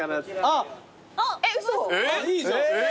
あっいいじゃん。